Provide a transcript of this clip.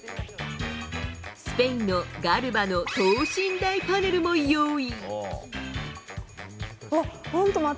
スペインのガルバの等身大パネルを用意。